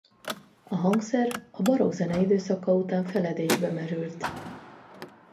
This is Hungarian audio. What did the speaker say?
A hangszer a barokk zene időszaka után feledésbe merült.